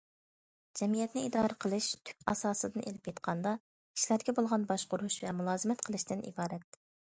جەمئىيەتنى ئىدارە قىلىش تۈپ ئاساسىدىن ئېلىپ ئېيتقاندا، كىشىلەرگە بولغان باشقۇرۇش ۋە مۇلازىمەت قىلىشتىن ئىبارەت.